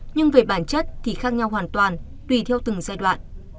nhưng về bản chất thì khác nhau hoàn toàn tùy theo từng giai đoạn